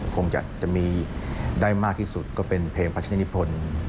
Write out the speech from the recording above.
คงจะมีได้มากที่สุดก็เป็นเพลงพระราชนิพล